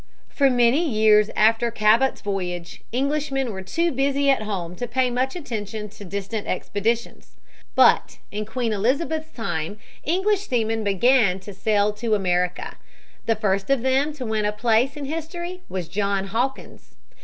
For many years after Cabot's voyage Englishmen were too busy at home to pay much attention to distant expeditions. But in Queen Elizabeth's time English seamen began to sail to America. The first of them to win a place in history was John Hawkins.